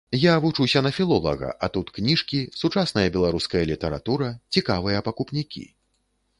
Я вучуся на філолага, а тут кніжкі, сучасная беларуская літаратура, цікавыя пакупнікі.